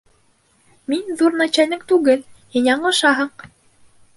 Мин ҙур начальник түгел, һин яңылышаһың.